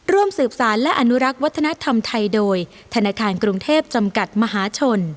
ร่วมสืบสารและอนุรักษ์วัฒนธรรมไทยโดยธนาคารกรุงเทพจำกัดมหาชน